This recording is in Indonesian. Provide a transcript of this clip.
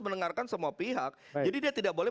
mendengarkan semua pihak jadi dia tidak boleh